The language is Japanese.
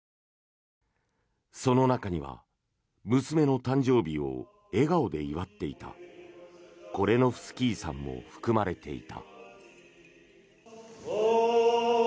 その中には娘の誕生日を笑顔で祝っていたコレノフスキーさんも含まれていた。